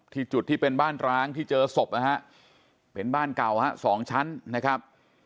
จุดที่เป็นบ้านร้างที่เจอศพนะฮะเป็นบ้านเก่าฮะสองชั้นนะครับ